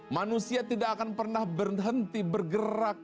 manusia tidak akan pernah berhenti bergerak